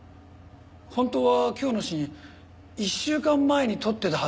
本当は今日のシーン１週間前に撮ってたはずなんですよ。